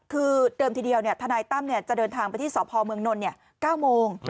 คือเดิมทีเดียวเนี่ยทนายตั้มเนี่ยจะเดินทางไปที่สพเมืองนนท์เนี่ย๙โมง